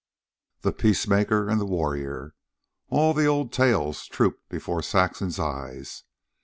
The peacemaker and the warrior! All the old tales trooped before Saxon's eyes.